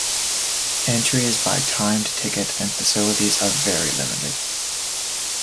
Entry is by timed ticket, and facilities are very limited.